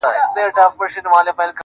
• که مي د دې وطن له کاڼي هم کالي څنډلي.